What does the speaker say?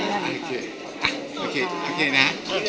เจนค่ะ